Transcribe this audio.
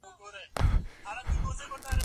هغه په پوهنتون کي د نويو حقایقو په اړه وویل.